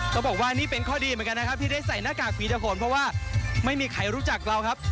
บอกว่านี่เป็นข้อดีเหมือนกันนะครับที่ได้ใส่หน้ากากฝีตะโขนเพราะว่าไม่มีใครรู้จักเราครับ